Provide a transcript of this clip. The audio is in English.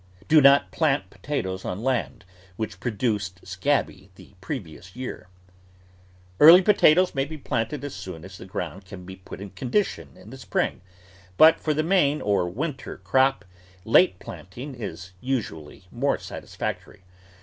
Do not plant potatoes on land which produced scabby the previous year. Early potatoes may be planted as soon as the ground can be put in condition in the spring, but for the main or winter crop, late planting is usu ally more satisfactory.